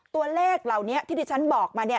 ตัวเลขเหล่านี้ที่ที่ฉันบอกมา